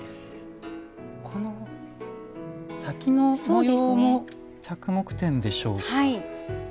先の模様も着目点でしょうか。